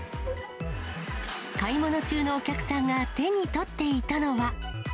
買い物中のお客さんが手に取っていたのは。